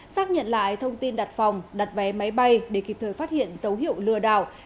xác nhận lại thông tin đặt phòng đặt vé máy bay để kịp thời phát hiện dấu hiệu lừa đảo